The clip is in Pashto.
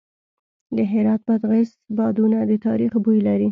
د هرات بادغیس بادونه د تاریخ بوی لري.